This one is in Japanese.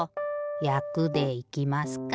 「やく」でいきますか。